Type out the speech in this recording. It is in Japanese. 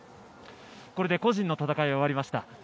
これで個人の戦いは終わりました。